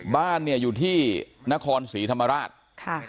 บ้านอยู่ที่นครศรีธรรมราช